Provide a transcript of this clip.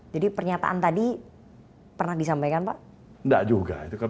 jadi pernyataan tadi pernah disampaikan pak